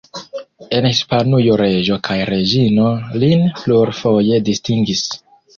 En Hispanujo reĝo kaj reĝino lin plurfoje distingis.